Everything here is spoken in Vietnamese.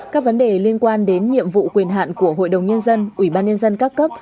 các vấn đề liên quan đến nhiệm vụ quyền hạn của hội đồng nhân dân ủy ban nhân dân các cấp